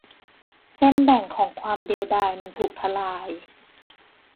เส้นแบ่งของความเดียวดายมันถูกทลาย